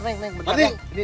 neng bentar ya